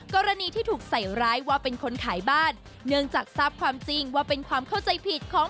กรณีที่ถูกใส่ร้ายว่าเป็นคนขายบ้านเนื่องจากทราบความจริงว่าเป็นความเข้าใจผิดของ